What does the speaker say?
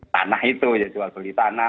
tanah itu ya jual beli tanah